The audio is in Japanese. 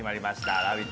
「ラヴィット！」